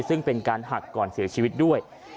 ซึ่งเป็นการหักก่อนเสียชีวิตด้วย